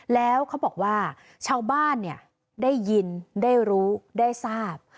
แล้วเขาบอกว่าชาวบ้านเนี่ยได้ยินได้รู้ได้ทราบ